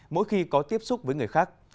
mỗi khi có tiếp xúc với người khác